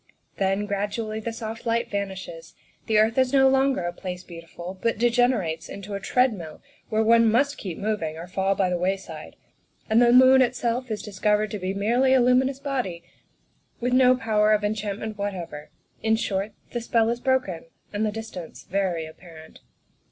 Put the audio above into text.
Then, gradually, the soft light vanishes; the earth is no longer a Place Beautiful, but degenerates into a treadmill where one must keep moving or fall by the wayside ; and the moon itself is discovered to be merely a luminous body, with no power of enchantment what ever; in short, the spell is broken and the distance very apparent.